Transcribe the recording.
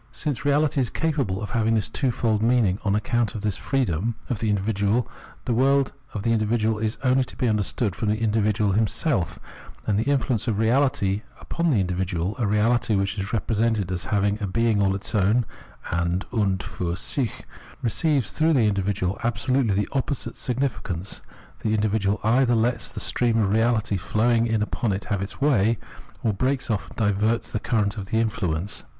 Since reahty is capable of haviag this twofold mean ing on account of this freedom of the individual, the world of the individual is only to be understood from the individual himself ; and the influence of reahty upon the individual, a reality which is represented as having a being all its own {an und fiir sich), receives through this individual absolutely the opposite significance — the individual either lets the stream of reahty flowing in upon it have its way, or breaks off and diverts the current of its influence.